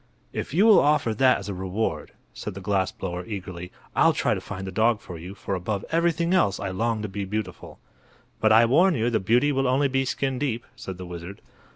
"If you will offer that as a reward," said the glass blower, eagerly, "I'll try to find the dog for you, for above everything else I long to be beautiful." "But I warn you the beauty will only be skin deep," said the wizard.